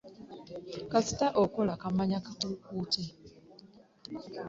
Kasita okolola ng'omanya kakukutte.